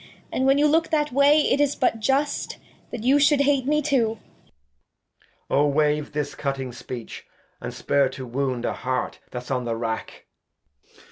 And when you look that Way, it is but just That you shou'd hate me too. Edg. O wave this cutting Speech, and spare to Wound A Heart that's on the Rack.